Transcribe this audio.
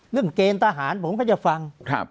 เรื่องเกณฑ์ทหารผมก็จะฟัง